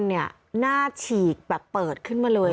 หน้าฉีกแบบเปิดขึ้นมาเลย